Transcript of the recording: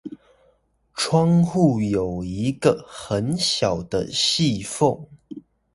窗戶有一個很小的隙縫